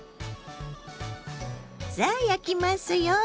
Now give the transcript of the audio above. さあ焼きますよ。